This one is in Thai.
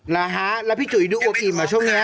นะฮะแล้วพี่จุ๋ยดูอวบอิ่มอ่ะช่วงนี้